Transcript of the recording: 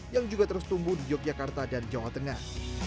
yang juga terus tumbuh di yogyakarta dan jawa tengah